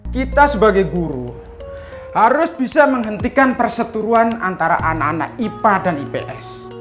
kita sebagai guru harus bisa menghentikan perseturuan antara anak anak ipa dan ips